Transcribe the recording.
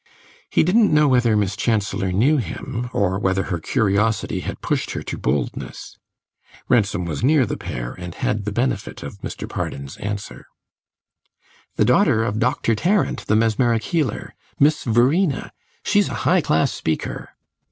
He didn't know whether Miss Chancellor knew him, or whether her curiosity had pushed her to boldness. Ransom was near the pair, and had the benefit of Mr. Pardon's answer. "The daughter of Doctor Tarrant, the mesmeric healer Miss Verena. She's a high class speaker."